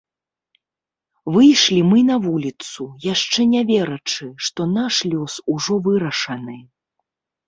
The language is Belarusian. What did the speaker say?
Выйшлі мы на вуліцу, яшчэ не верачы, што наш лёс ужо вырашаны!